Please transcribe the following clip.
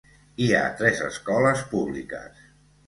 Hi ha tres escoles públiques.